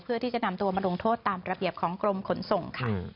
เพื่อที่จะนำตัวมาลงโทษตามระเบียบของกรมขนส่งค่ะ